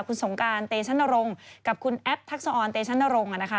คุณสงการเตชั่นนรงค์กับคุณแอปทักษะออนเตชั่นนรงค์